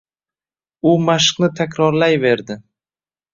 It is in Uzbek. U mashqni takrorlayverdi.